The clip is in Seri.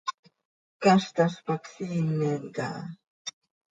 Caztaz pac siimen caha.